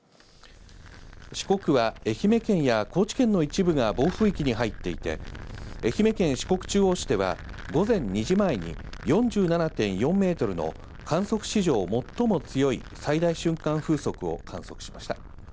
四国は愛媛県や高知の一部が暴風域に入っていて、愛媛県四国中央市では、午前２時前に４７．４メートルの観測史上最も強い最大瞬間風速を観測しました。